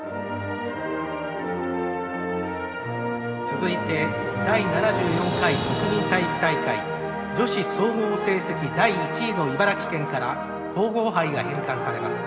続いて、第７４回国民体育大会女子総合成績第１位の茨城県から皇后杯が返還されます。